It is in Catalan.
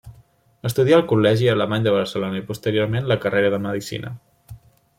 Estudià al Col·legi Alemany de Barcelona, i posteriorment, la carrera de Medicina.